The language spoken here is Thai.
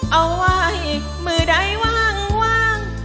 เอาไว้มือใดว่าง